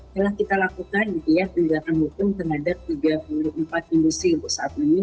telah kita lakukan ya penyelesaian hukum terhadap tiga puluh empat industri untuk saat ini